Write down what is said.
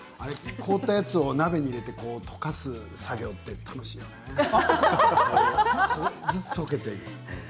凍ったものを鍋に入れて溶かす作業って楽しいよね。